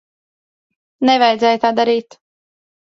Nevajadzēja tā darīt.